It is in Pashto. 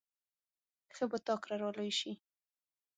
ښه به تا کره را لوی شي.